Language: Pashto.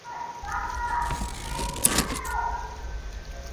ژر سه ووهه زموږ خان ته ملاقونه؛